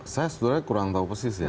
saya sebenarnya kurang tahu persis ya